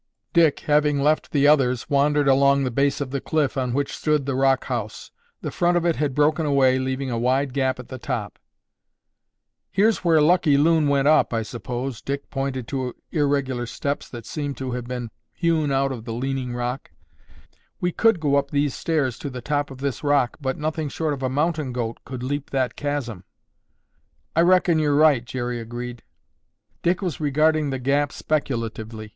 Dick, having left the others, wandered along the base of the cliff on which stood the rock house. The front of it had broken away leaving a wide gap at the top. "Here's where Lucky Loon went up, I suppose." Dick pointed to irregular steps that seemed to have been hewn out of the leaning rock. "We could go up these stairs to the top of this rock, but nothing short of a mountain goat could leap that chasm." "I reckon you're right," Jerry agreed. Dick was regarding the gap speculatively.